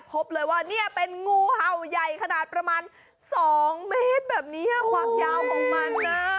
พบเลยว่าเนี่ยเป็นงูเห่าใหญ่ขนาดประมาณ๒เมตรแบบนี้ความยาวของมันนะ